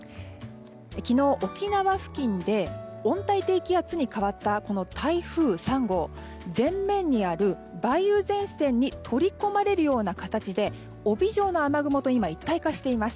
昨日、沖縄付近で温帯低気圧に変わった台風３号は前面にある梅雨前線に取り込まれるような形で帯状の雨雲と今、一体化しています。